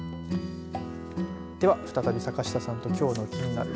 ではふたたび坂下さんときょうのキニナル！